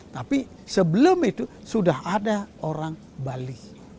tapi sebelum itu sudah ada orang bali